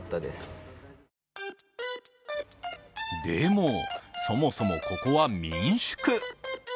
でも、そもそもここは民宿。